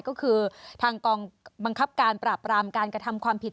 ก็คือทางกองบังคับการปราบรามการกระทำความผิด